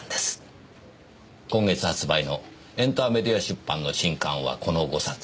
今月発売のエンターメディア出版の新刊はこの５冊。